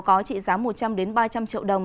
có trị giá một trăm linh ba trăm linh triệu đồng